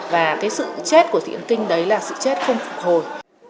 và sự chết của thị ẩn kinh đấy là sự chết không phục hồi